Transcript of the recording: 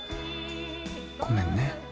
ごめんね。